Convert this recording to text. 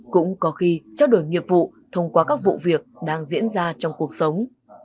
cũng có khi trao đổi nghiệp vụ thông qua các vụ việc đang diễn ra trong cuộc sống